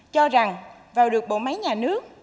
cho rằng vào được bộ máy nhà nước